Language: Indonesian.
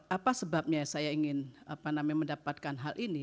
apa sebabnya saya ingin mendapatkan hal ini